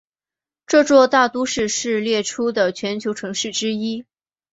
这座大都市是列出的全球城市之一。